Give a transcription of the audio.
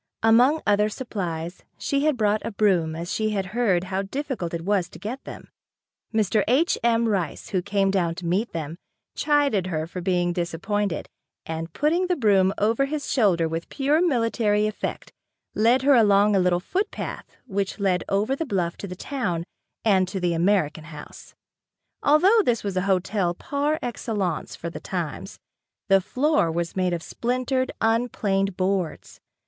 Among other supplies she had brought a broom as she had heard how difficult it was to get them. Mr. H. M. Rice, who came down to meet them, chided her for being disappointed and putting the broom over his shoulder with pure military effect, led her along the little footpath which led over the bluff to the town, and to the American House. Although this was a hotel par excellence for the times, the floor was made of splintered, unplaned boards.